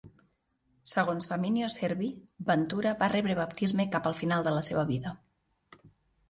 Segons Faminio Servi, Ventura va rebre baptisme cap al final de la seva vida.